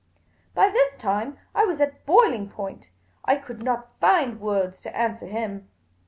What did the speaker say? By this time, I was at boiling point. I could not find words to answer him.